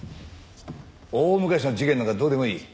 大昔の事件なんかどうでもいい。